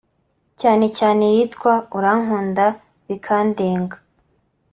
cyane cyane iyitwa "Urankunda bikandenga"